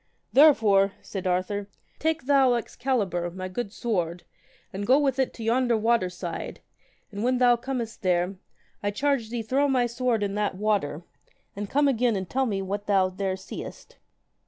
Therefore, said Arthur, take thou Excalibur, my good sword, and go with it to yonder water side, and when thou comest there, I charge thee throw my sword in that water, and come again, and tell me what thou there seest.